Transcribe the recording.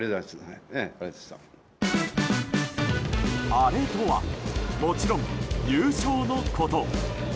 アレとはもちろん優勝のこと。